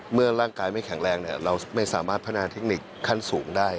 ร่างกายไม่แข็งแรงเราไม่สามารถพัฒนาเทคนิคขั้นสูงได้